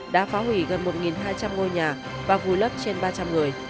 đã phá hủy gần một hai trăm linh ngôi nhà và vùi lấp trên ba trăm linh người